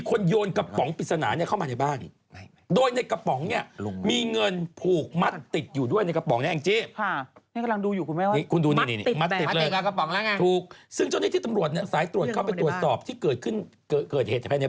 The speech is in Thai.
ก็ต้องไปวิจารณาโอ้โหอยากฟังไหมอยากดูมั้ยเอาโทรศัพท์อยู่ไหนนะ